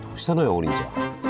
王林ちゃん。